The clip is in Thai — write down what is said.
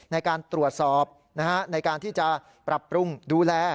ในการตรวจสอบในการที่จะปรับปรุงดูแล